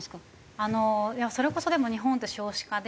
あのそれこそでも日本って少子化で。